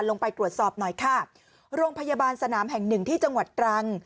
ลงไปตรวจสอบหน่อยค่ะโรงพยาบาลสนามแห่งหนึ่งที่จังหวัดตรัง